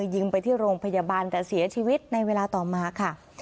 ยิงไปที่โรงพยาบาลแต่เสียชีวิตในเวลาต่อมาค่ะ